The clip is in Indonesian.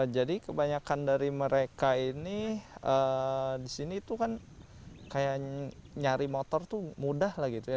jadi kebanyakan dari mereka ini disini itu kan kayak nyari motor itu mudah lah gitu ya